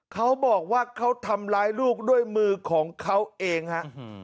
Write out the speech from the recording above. เขาบอกว่าเขาทำร้ายลูกด้วยมือของเขาเองฮะ